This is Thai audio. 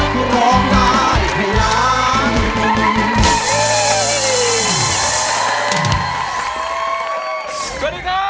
หลอกหน้าอีกหนึ่ง